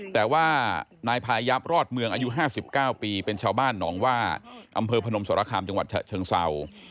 แต่ว่านายพายับรอดเมืองอายุ๕๙ปีเป็นชาวบ้านหนองว่าอำเภอพนมสรคามจังหวัดฉะเชิงเศร้า